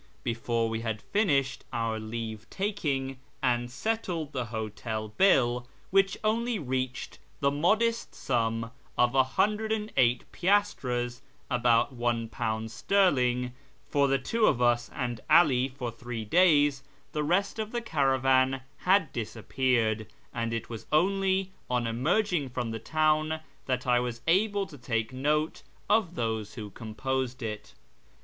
Before we had finished our leave taking and settled the hotel bill (which only reached the modest sum of 108 piastres — about £1 sterling — for the two of us and 'Ali for three days) the rest of the caravan had disappeared, and it was only on emerging from the town that I was able to take note of those who composed it.